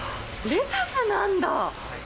レタスなんだ。